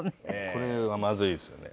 これはまずいですよね。